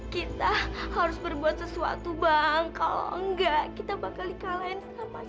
kita harus berbuat sesuatu bang kalau nggak kita bakal di kalahin sama si natas